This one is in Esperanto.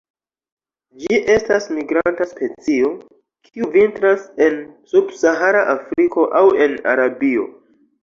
Ĝi estas migranta specio, kiu vintras en subsahara Afriko aŭ en Arabio.